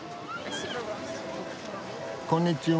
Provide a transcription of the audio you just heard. こんにちは。